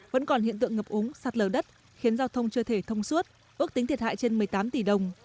vẫn còn hiện tượng ngập úng sạt lở đất khiến giao thông chưa thể thông suốt ước tính thiệt hại trên một mươi tám tỷ đồng